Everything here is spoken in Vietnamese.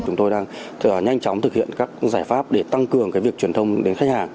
chúng tôi đang nhanh chóng thực hiện các giải pháp để tăng cường việc truyền thông đến khách hàng